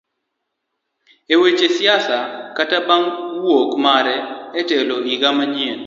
Eweche siasa kata bang wuok mare etelo iga manyien.